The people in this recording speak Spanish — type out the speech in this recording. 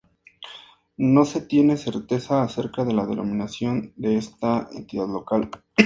No se tiene certeza acerca de la denominación de esta entidad local.